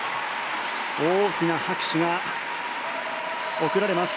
大きな拍手が送られます。